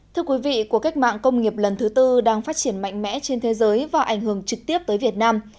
thưa quý vị cuộc cách mạng công nghiệp lần thứ tư đang phát triển mạnh mẽ trên thế giới và ảnh hưởng trực tiếp tới việt nam